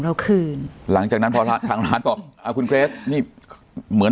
เราคืนหลังจากนั้นพอทางร้านบอกอ่าคุณเกรสนี่เหมือน